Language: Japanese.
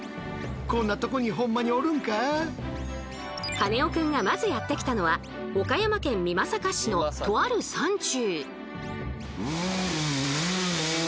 カネオくんがまずやって来たのは岡山県美作市のとある山中。